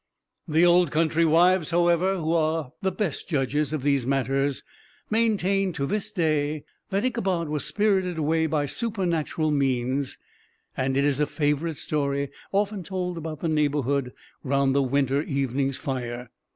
The old country wives, however, who are the best judges of these matters, maintain to this day that Ichabod was spirited away by supernatural means; and it is a favorite story often told about the neighborhood round the winter evening fire.